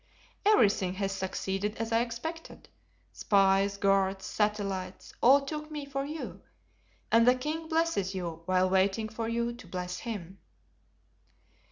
"Everything has succeeded as I expected; spies, guards, satellites, all took me for you, and the king blesses you while waiting for you to bless him."